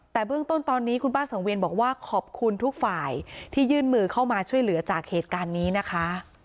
แต่เบื้องต้นตอนนี้คุณป้าสังเวียนบอกว่าขอบคุณทุกฝ่ายที่ยื่นมือเข้ามาช่วยเหลือจากเหตุการณ์นี้นะคะ